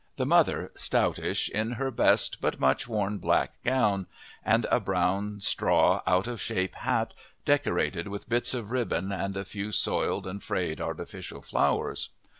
The mother, stoutish, in her best but much worn black gown and a brown straw, out of shape hat, decorated with bits of ribbon and a few soiled and frayed artificial flowers.